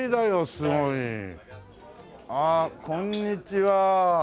すごい。ああこんにちは。